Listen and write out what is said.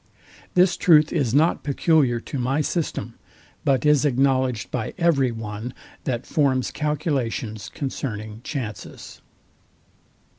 This truth is not peculiar to my system, but is acknowledged by every one, that forms calculations concerning chances.